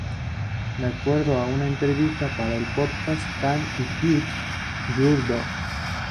De acuerdo a una entrevista para el podcast "Can I Pet Your Dog?